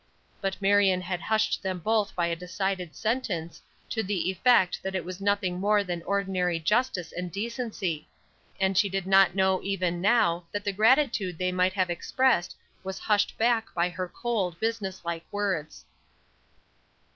But Marion had hushed them both by a decided sentence, to the effect that it was nothing more than ordinary justice and decency. And she did not know even now that the gratitude they might have expressed was hushed back by her cold, business like words.